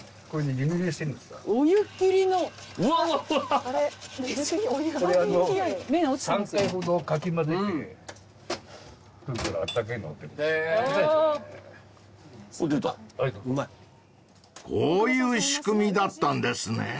［こういう仕組みだったんですね］